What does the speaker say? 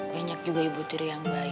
banyak juga ibu tiri yang baik